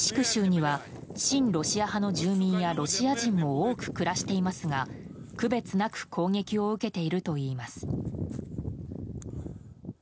州には親ロシア派の住民やロシア人も多く暮らしていますが区別なく攻撃を受けているといいます。